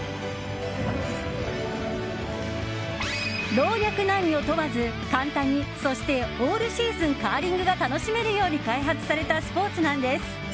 老若男女問わず簡単にそしてオールシーズンカーリングが楽しめるように開発されたスポーツなんです。